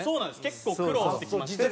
結構苦労してきまして。